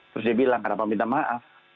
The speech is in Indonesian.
terus dia bilang kenapa minta maaf